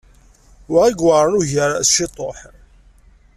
Wa i iweɛren ugar s ciṭuḥ.